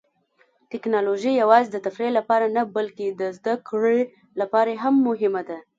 ټیکنالوژي یوازې د تفریح لپاره نه، بلکې د زده کړې لپاره هم مهمه ده.